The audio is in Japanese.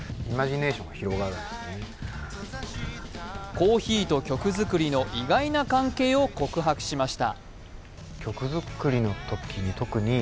コーヒーと曲づくりの意外な関係を告白しました。